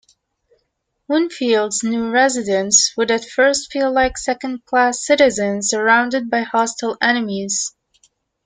Winfield's new residents would at first feel like second-class citizens, surrounded by hostile enemies.